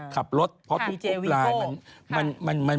ขับรถเพราะทุกลาย